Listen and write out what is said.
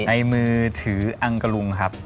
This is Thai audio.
ในมือถืออังกะลุงครับ